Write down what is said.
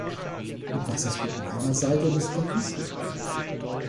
Und was ist mit meiner Seite des Dings?